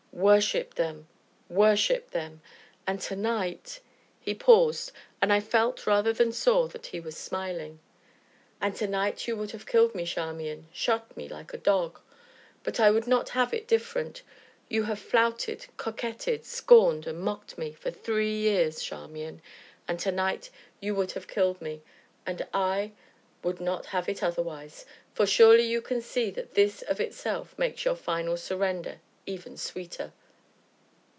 Worshipped them, worshipped them! And to night " He paused, and I felt, rather than saw, that he was smiling. "And to night you would have killed me, Charmian shot me like a dog! But I would not have it different. You have flouted, coquetted, scorned, and mocked me for three years, Charmian, and to night you would have killed me and I would not have it otherwise, for surely you can see that this of itself must make your final surrender even sweeter."